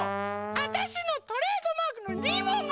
わたしのトレードマークのリボンがない！